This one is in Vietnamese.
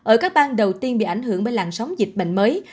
ở các bang đầu tiên bị ảnh hưởng bởi làn sóng dịch bệnh mới